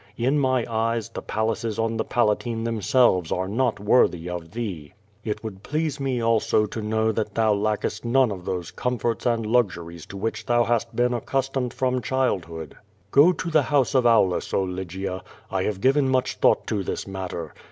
In my eyes, the palaces on the Palatine themselves are not worthy of thee. It would please me also to know thou lackest none of those comforts and luxuries to which thou hast been accustomed from childhood. Go to the house of Aulus, oh Lygia! I have given much thought to this matter.